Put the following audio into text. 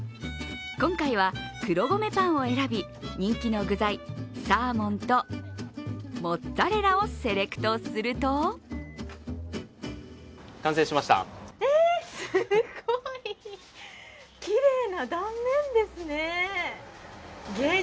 今回は、黒米パンを選び人気の具材サーモンとモッツァレラをセレクトするとえー、すごい、きれいな断面ですね。